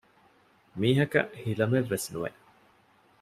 މީހަކަށް ހިލަމެއް ވެސް ނުވެ